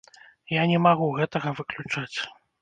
Я не магу гэтага выключаць.